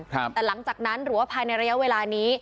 หรือว่าภายในระยะเวลานี้